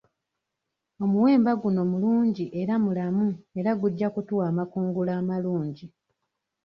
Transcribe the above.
Omuwemba guno mulungi era mulamu era gujja kutuwa amakungula amalungi.